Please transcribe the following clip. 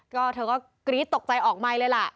ก็เธอกรี๊ดตกใจออกใหม่เลยล่ะ